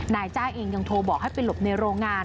จ้าเองยังโทรบอกให้ไปหลบในโรงงาน